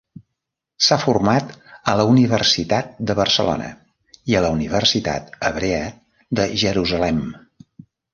S'ha format a la Universitat de Barcelona i a la Universitat Hebrea de Jerusalem.